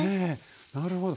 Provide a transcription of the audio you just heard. なるほど。